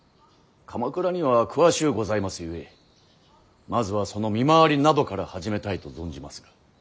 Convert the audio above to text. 鎌倉には詳しゅうございますゆえまずはその見回りなどから始めたいと存じますが。